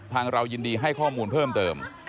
เรายินดีให้ข้อมูลเพิ่มเติม